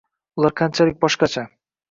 Ular qanchalik boshqacha?